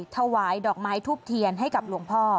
ถวายดอกไม้ทูบเทียนให้กับหลวงพ่อ